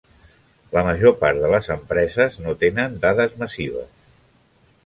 La major part de les empreses no tenen dades massives.